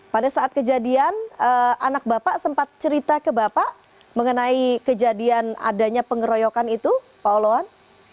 pada saat kejadian anak bapak sempat cerita ke bapak mengenai kejadian adanya pengeroyokan itu pak oloan